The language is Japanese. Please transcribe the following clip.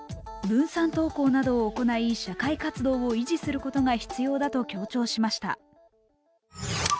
分散登校などを行い、社会活動を維持することが必要だと強調しました。